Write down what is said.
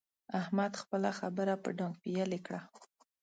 احمد خپله خبره په ډانګ پېيلې کړه.